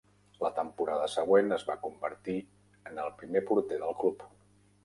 La temporada següent, es va convertir en el primer porter del club.